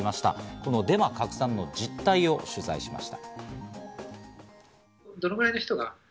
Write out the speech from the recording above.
このデマ拡散の実態を取材しました。